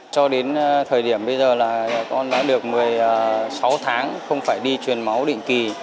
cho đến thời điểm bây giờ là con đã được một mươi sáu tháng không phải đi truyền máu định kỳ